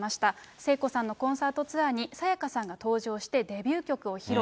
聖子さんのコンサートツアーに沙也加さんが登場して、デビュー曲を披露。